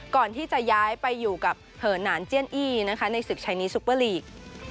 ก่อนที่จะย้ายไปอยู่กับเหินหนานเจียนอี้นะคะในศึกชัยนี้ซุปเปอร์ลีก